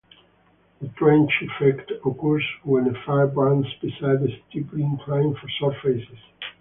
The trench effect occurs when a fire burns beside a steeply inclined surface.